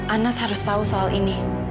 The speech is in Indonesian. anas harus tahu soal ini